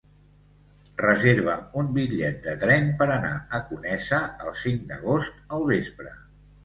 Reserva'm un bitllet de tren per anar a Conesa el cinc d'agost al vespre.